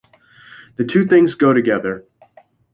The two things go together.